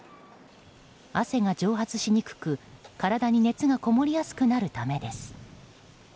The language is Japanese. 汗が蒸発しにくく、体に熱がこもりやすくなるためです。